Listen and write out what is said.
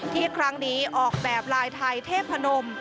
ที่ครั้งนี้ออกแบบลายไทยเทพนม